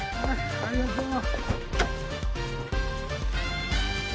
ありがとう。